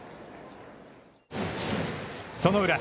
その裏。